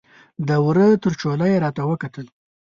د وره تر چوله یې راته وکتل